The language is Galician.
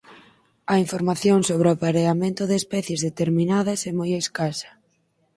A información sobre o apareamento de especies determinadas é moi escasa.